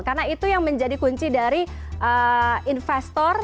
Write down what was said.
karena itu yang menjadi kunci dari investor